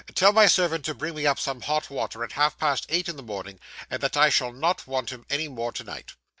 Tell my servant to bring me up some hot water at half past eight in the morning, and that I shall not want him any more to night.